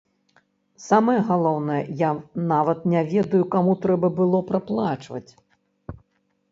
Самае галоўнае, я нават не ведаю, каму трэба было праплачваць.